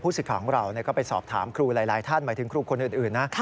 สิทธิ์ของเราก็ไปสอบถามครูหลายท่านหมายถึงครูคนอื่นนะ